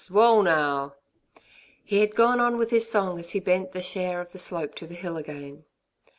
Whoa now!" He had gone on with his song as he bent the share to the slope of the hill again.